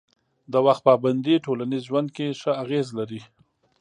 د وخت پابندي ټولنیز ژوند کې ښه اغېز لري.